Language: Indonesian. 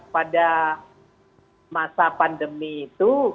pada masa pandemi itu